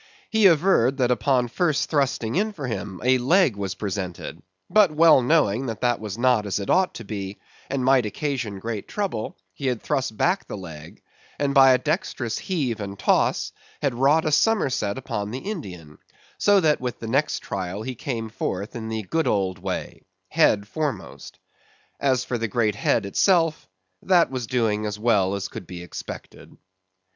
He averred, that upon first thrusting in for him, a leg was presented; but well knowing that that was not as it ought to be, and might occasion great trouble;—he had thrust back the leg, and by a dexterous heave and toss, had wrought a somerset upon the Indian; so that with the next trial, he came forth in the good old way—head foremost. As for the great head itself, that was doing as well as could be expected.